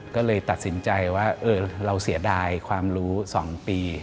ก็เลยตัดสินใจว่าเราเสียดายความรู้๒ปี